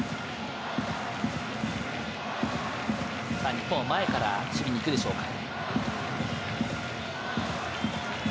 日本は前から守備に行くでしょうか。